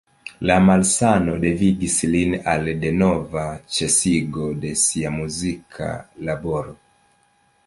La malsano devigis lin al denova ĉesigo de sia muzika laboro.